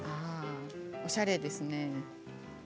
おしゃれですね。